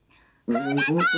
「ください。